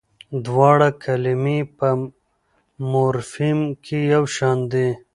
دواړه کلمې په مورفیم کې یوشان دي.